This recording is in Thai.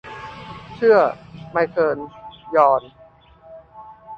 เชื่อ ไมเคิล ยอน